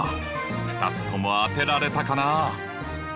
２つとも当てられたかな？